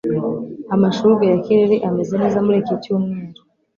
Amashurwe ya kireri ameze neza muri iki cyumweru.